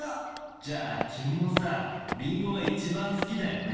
じゃあ君もさりんごが一番好きだよね？